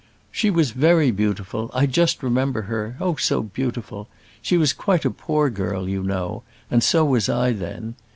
"She was very beautiful. I just remember her oh, so beautiful! she was quite a poor girl, you know; and so was I then.